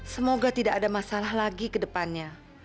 semoga tidak ada masalah lagi ke depannya